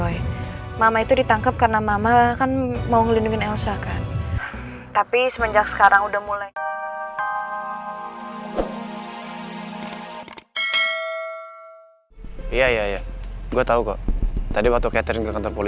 yaudah kalau begitu gue juga bantu cari deh